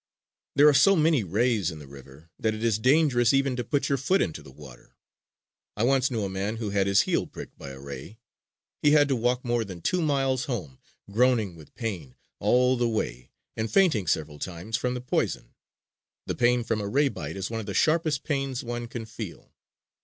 There are so many rays in the river that it is dangerous even to put your foot into the water. I once knew a man who had his heel pricked by a ray. He had to walk more than two miles home, groaning with pain all the way and fainting several times from the poison. The pain from a ray bite is one of the sharpest pains one can feel.